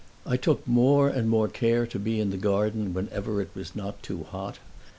I took more and more care to be in the garden whenever it was not too hot.